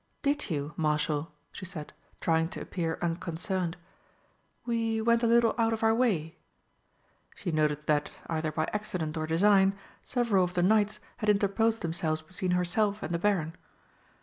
"Did you, Marshal?" she said, trying to appear unconcerned. "We went a little out of our way." She noticed that, either by accident or design, several of the knights had interposed themselves between herself and the Baron.